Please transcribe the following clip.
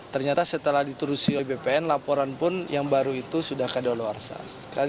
ternyata setelah diterusi oleh bpn laporan pun yang baru itu sudah keadaan luar sah